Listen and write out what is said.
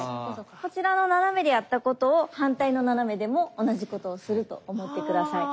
こちらの斜めでやったことを反対の斜めでも同じことをすると思って下さい。